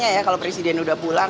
ketika bertemu tak tiva borak